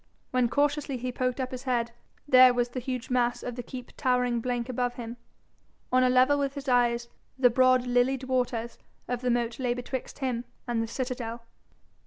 When cautiously he poked up his head, there was the huge mass of the keep towering blank above him! On a level with his eyes, the broad, lilied waters of the moat lay betwixt him and the citadel.